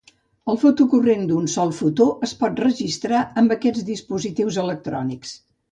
El fotocorrent d'un sol fotó es pot registrar amb aquests dispositius electrònics.